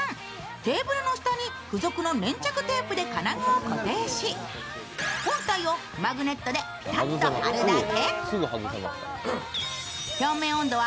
テーブルの下に付属の粘着テープで金具を固定し、本体をマグネットでピタッと貼るだけ。